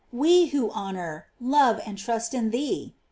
we who hon or, love, and trust in thee!